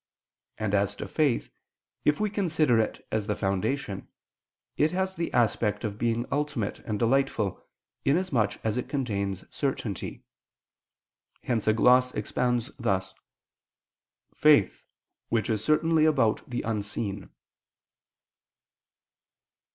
And as to faith, if we consider it as the foundation, it has the aspect of being ultimate and delightful, in as much as it contains certainty: hence a gloss expounds thus: "Faith, which is certainly about the unseen."